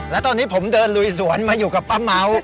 แล้วตอนนี้ผมเดินลุยสวนมาอยู่กับป้าเม้า